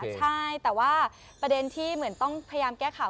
ใช่แต่ว่าประเด็นที่เหมือนต้องพยายามแก้ข่าว